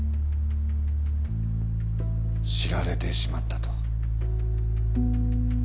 知られてしまったと。